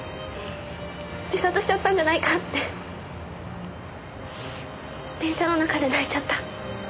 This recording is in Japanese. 自殺しちゃったんじゃないかって電車の中で泣いちゃった。